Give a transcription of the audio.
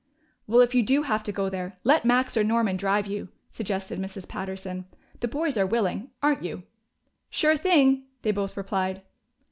"Well, if you do have to go there, let Max or Norman drive you," suggested Mrs. Patterson. "The boys are willing, aren't you?" "Sure thing!" they both replied.